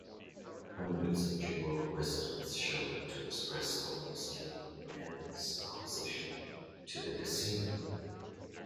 Hundreds of Jamul residents showed up to express almost unanimous opposition to the casino.